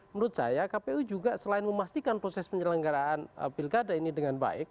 menurut saya kpu juga selain memastikan proses penyelenggaraan pilkada ini dengan baik